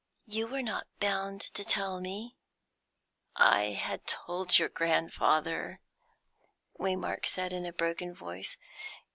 You were not bound to tell me " "I had told your grandfather," Waymark said in a broken voice.